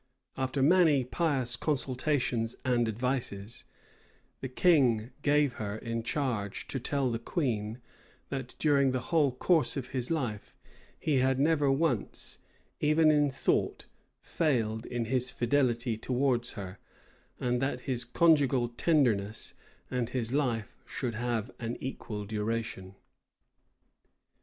After many pious consolations and advices, the king gave her in charge to tell the queen, that during the whole course of his life, he had never once, even in thought, failed in his fidelity towards her; and that his conjugal tenderness and his life should have an equal duration.